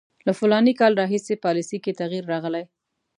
له فلاني کال راهیسې پالیسي کې تغییر راغلی.